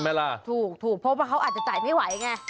เออถูกถูกเพราะว่าเขาอาจจะจ่ายไม่ไหวไงใช่ไหมล่ะ